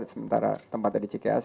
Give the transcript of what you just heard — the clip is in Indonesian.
sementara tempatnya di cks